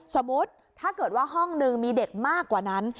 สมมุติถ้าเกิดว่าห้องนึงมีเด็กมากกว่านั้น